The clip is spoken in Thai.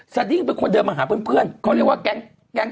สดิ้งเป็นคนเดินมาหาเพื่อนเขาเรียกว่าแก๊ง